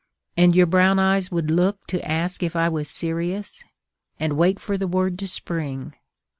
And your brown eyes would look to ask if I was serious, And wait for the word to spring.